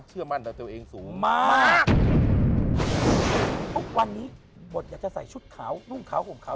เชื่อมั่นต่อตัวเองสูงมากทุกวันนี้บทอยากจะใส่ชุดขาวนุ่งขาวห่มขาว